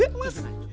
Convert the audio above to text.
udah kesan dulu ya